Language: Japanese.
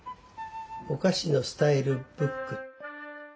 「お菓子のスタイルブック」。